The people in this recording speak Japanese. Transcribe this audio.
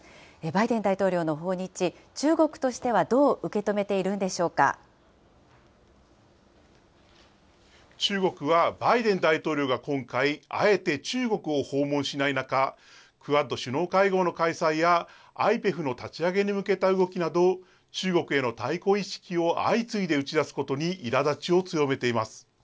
バイデン大統領の訪日、中国としてはどう受け止めているんでしょ中国はバイデン大統領が今回、あえて中国を訪問しない中、クアッド首脳会合の開催や、ＩＰＥＦの立ち上げに向けた動きなど、中国への対抗意識を相次いで打ち出すことにいらだちを強めています。